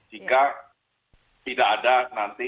jika tidak ada nanti